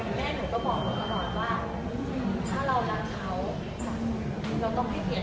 ก็คือจริงแล้วในน้องกกแม่เเป็นกาลไม่ใช่หรือเป็นจัดการ